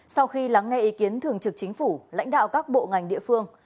sau khi lắng nghe ý kiến thường trực chính phủ lãnh đạo các bộ ngành địa phương